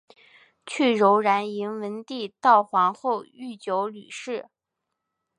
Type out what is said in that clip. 去柔然迎文帝悼皇后郁久闾氏。